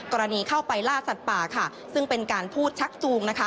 กรณีเข้าไปล่าสัตว์ป่าค่ะซึ่งเป็นการพูดชักจูงนะคะ